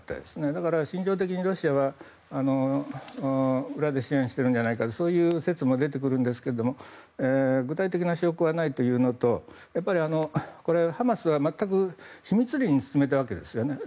だから心情的にロシアは裏で支援しているんじゃないかそういう説も出てくるんですが具体的な証拠はないというのとやっぱり、ハマスは全く秘密裏に進めたわけです。